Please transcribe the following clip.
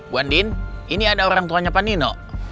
bu andin ini ada orang tuanya pak nino